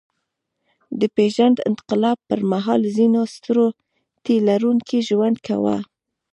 د پېژاند انقلاب پر مهال ځینو سترو تيلرونکي ژوند کاوه.